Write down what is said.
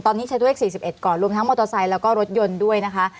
ตอนนี้ใช้ด้วย๔๑ก่อนรวมทั้งมอเตอร์ไซค์แล้วก็รถยนต์ด้วยนะคะ